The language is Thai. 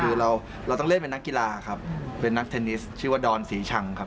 คือเราเราต้องเล่นเป็นนักกีฬาครับเป็นนักเทนนิสชื่อว่าดอนศรีชังครับ